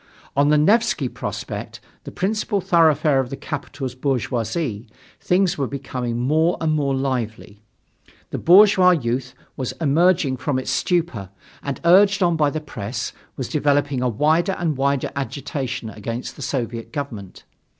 On the Nevsky Prospect, the principal thoroughfare of the capital's bourgeoisie, things were becoming more and more lively. The bourgeois youth was emerging from its stupor and, urged on by the press, was developing a wider and wider agitation against the Soviet government.